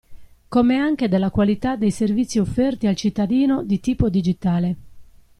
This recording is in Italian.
Come anche della qualità dei servizi offerti al cittadino di tipo digitale.